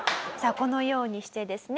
このようにしてですね